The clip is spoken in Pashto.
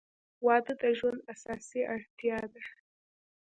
• واده د ژوند اساسي اړتیا ده.